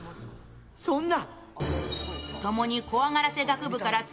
そんな！